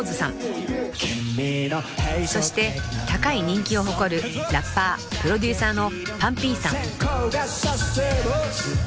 ［そして高い人気を誇るラッパープロデューサーの］